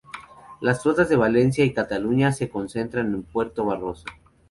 Las flotas de Valencia y Cataluña se concentran en Puerto Barroso.